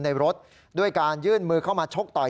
ในรถด้วยการยื่นมือเข้ามาชกต่อย